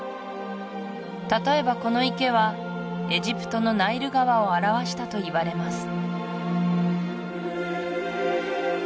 例えばこの池はエジプトのナイル川を表したといわれます